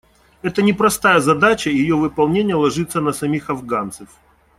Это непростая задача, и ее выполнение ложится на самих афганцев.